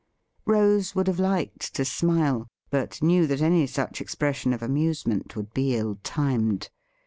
Rose would have liked to smile, but knew that any such expression of amusement would be ill timed.